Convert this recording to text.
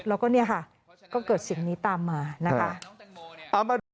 แล้วก็เนี่ยค่ะก็เกิดสิ่งนี้ตามมานะคะ